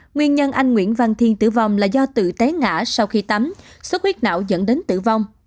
nguyên nhân anh nguyễn văn thiên tử vong là do tự té ngã sau khi tắm xuất huyết não dẫn đến tử vong